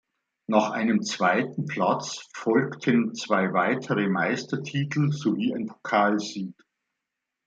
Nach einem zweiten Platz folgten noch zwei weitere Meistertitel sowie ein Pokalsieg.